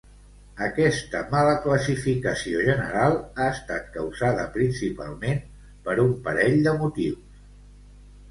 Aquesta mala classificació general ha estat causada principalment per un parell de motius.